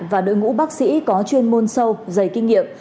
và đội ngũ bác sĩ có chuyên môn sâu dày kinh nghiệm